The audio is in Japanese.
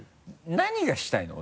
何がしたいの？